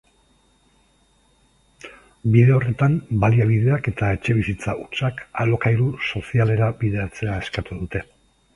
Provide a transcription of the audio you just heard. Bide horretan, baliabideak eta etxebizitza hutsak alokairu sozialera bideratzea eskatu dute.